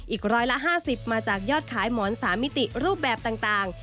อีกร้อยละ๕๐มาจากยอดขายหมอน๓มิติรูปแบบต่าง